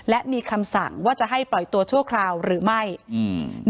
และมีคำสั่งว่าจะให้ปล่อยตัวชั่วคราวหรือไม่อืม